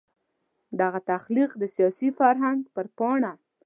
دغه تخلیق د سیاسي فرهنګ پر پاڼه.